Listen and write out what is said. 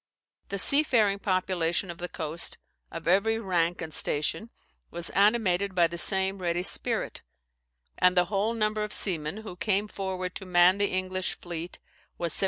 The seafaring population of the coast, of every rank and station, was animated by the same ready spirit; and the whole number of seamen who came forward to man the English fleet was 17,472.